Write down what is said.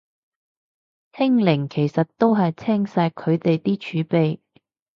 清零其實都清晒佢哋啲儲備